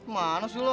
mana sih lu